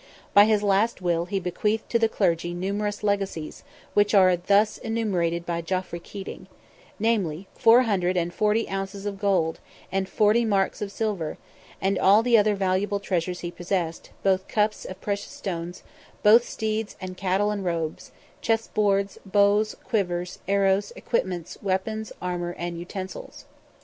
By his last will he bequeathed to the clergy numerous legacies, which are thus enumerated by Geoffrey Keating: "namely, four hundred and forty ounces of gold, and forty marks of silver; and all the other valuable treasures he possessed, both cups and precious stones, both steeds and cattle and robes, chess boards, bows, quivers, arrows, equipments, weapons, armour, and utensils."